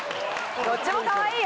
どっちもかわいいよ！